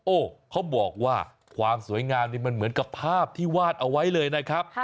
โอ้โหเขาบอกว่าความสวยงามนี่มันเหมือนกับภาพที่วาดเอาไว้เลยนะครับ